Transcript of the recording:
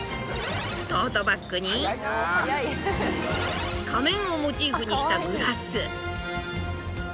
トートバッグに仮面をモチーフにしたグラス。